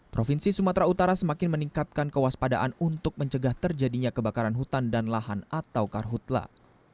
provinsi sumatera utara semakin meningkatkan kewaspadaan untuk mencegah terjadinya kebakaran hutan dan lahan atau karhutlah